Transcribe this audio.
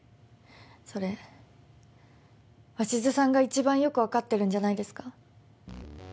それ鷲津さんが一番よくわかってるんじゃないですか？